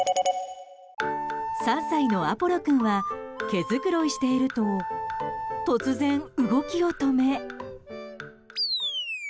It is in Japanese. ３歳のアポロ君は毛繕いしていると突然、動きを止め。